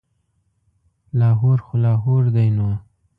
لاهور خو لاهور دی نو.